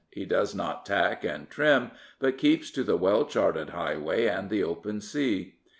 He does not tack and trim, but keeps to the well charted highway and the open sea.